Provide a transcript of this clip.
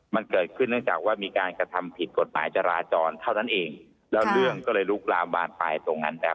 มันเกิดขึ้นเนื่องจากว่ามีการกระทำผิดกฎหมายจราจรเท่านั้นเองแล้วเรื่องก็เลยลุกลามบานปลายตรงนั้นนะครับ